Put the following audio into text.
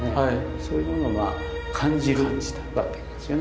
そういうものをまあ感じるわけなんですよね。